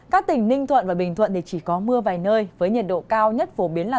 các tỉnh ninh thuận và bình thuận thì chỉ có mưa vài nơi với nhiệt độ cao nhất phổ biến là